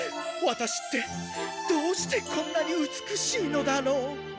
ワタシってどうしてこんなに美しいのだろう。